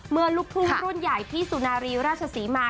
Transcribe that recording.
เมื่อลูกภูมิหุ้นใหญ่ที่สุนารีราชสีมา